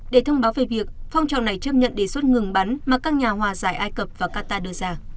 để thông báo về việc phong trào này chấp nhận đề xuất ngừng bắn mà các nhà hòa giải ai cập và qatar đưa ra